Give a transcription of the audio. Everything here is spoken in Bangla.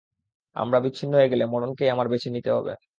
আমরা বিচ্ছিন্ন হয়ে গেলে মরণকেই আমার বেছে নিতে হবে।